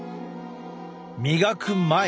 磨く前。